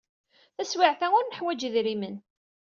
Taswiɛt-a, ur neḥwaj idrimen.